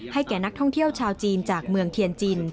แก่นักท่องเที่ยวชาวจีนจากเมืองเทียนจิน